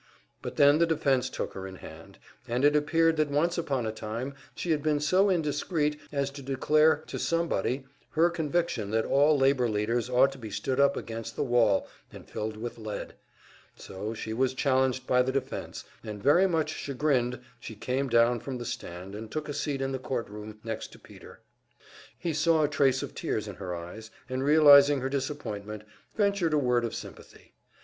But then the defense took her in hand, and it appeared that once upon a time she had been so indiscreet as to declare to somebody her conviction that all labor leaders ought to be stood up against the wall and filled with lead; so she was challenged by the defense, and very much chagrined she came down from the stand, and took a seat in the courtroom next to Peter. He saw a trace of tears in her eyes, and realizing her disappointment, ventured a word of sympathy.